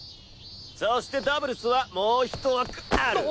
そしてダブルスはもう１枠ある！